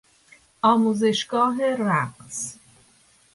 آموزشگاه رقص